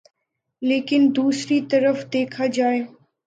لیکن دوسری طرف دیکھا جائے